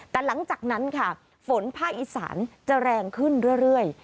แต่หลังจากนั้นค่ะฝนภาคอีสานจะแรงขึ้นเรื่อย